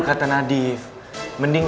kita harus bersyukur